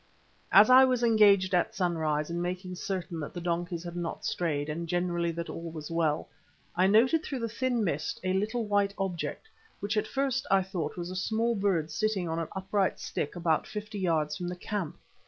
As I was engaged at sunrise in making certain that the donkeys had not strayed and generally that all was well, I noted through the thin mist a little white object, which at first I thought was a small bird sitting on an upright stick about fifty yards from the camp.